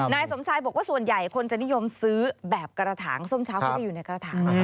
นายสมชายบอกว่าส่วนใหญ่คนจะนิยมซื้อแบบกระถางส้มเช้าเขาจะอยู่ในกระถาง